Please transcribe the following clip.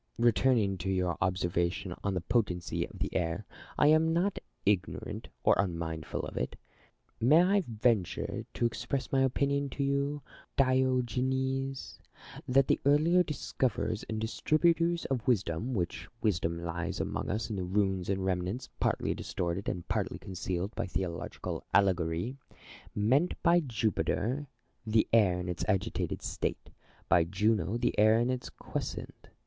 Returning to your observation on the potency of the air, I am not ignorant or unmindful of it. May I venture to express my opinion to you, Diogenes, that the earlier dis coverers and distributors of wisdom (which wisdom lies among us in ruins and remnants, partly distorted and partly concealed by theological allegory) meant by Jupiter the air in its agitated state ; by Juno the air in its quiescent.